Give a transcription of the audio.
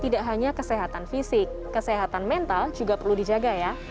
tidak hanya kesehatan fisik kesehatan mental juga perlu dijaga ya